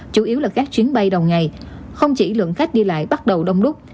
chủ yếu là các chuyến bay đầu ngày không chỉ lượng khách đi lại bắt đầu đông đúc